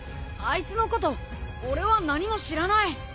あいつのこと俺は何も知らない。